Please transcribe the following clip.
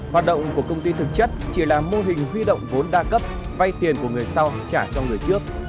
hoạt động của công ty thực chất chỉ là mô hình huy động vốn đa cấp vay tiền của người sau trả cho người trước